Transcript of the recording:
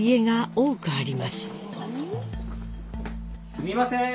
すみません。